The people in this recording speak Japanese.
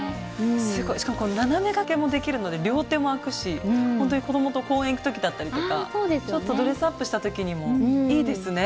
すごいしかもこれ斜めがけもできるので両手も空くしほんとに子供と公園行く時だったりとかちょっとドレスアップした時にもいいですね。